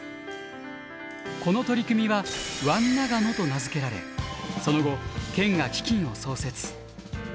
この取り組みはワン・ナガノと名付けられその後県が基金を創設。